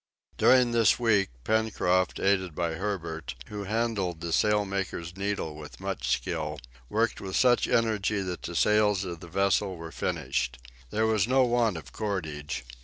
During this week, Pencroft, aided by Herbert, who handled the sailmaker's needle with much skill, worked with such energy that the sails of the vessel were finished. There was no want of cordage.